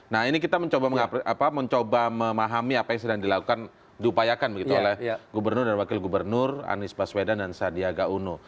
nah ini kita mencoba memahami apa yang sedang dilakukan diupayakan begitu oleh gubernur dan wakil gubernur anies baswedan dan sandiaga uno